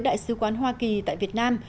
đại sứ quán hoa kỳ tại việt nam